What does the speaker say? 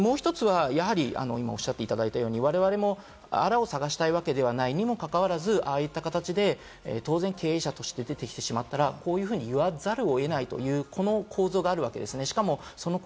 もう１つは今おっしゃっていただいたように、われわれも粗を探したいわけじゃないにもかかわらず、ああいった形で当然経営者として出てきてしまったら、こういうふうに言わざるを得ないという構図があるわけです。